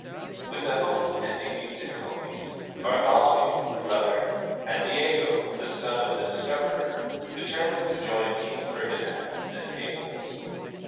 AVith a hope of ending these difficulties. Bartholomew, the brother, and Diego, the son, of the discoverer, determined to join King Ferdinand, then at Naples.